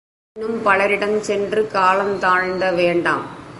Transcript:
இன்னும் பலரிடஞ் சென்று காலந் தாழ்ந்த வேண்டாம்.